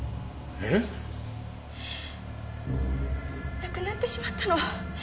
なくなってしまったの。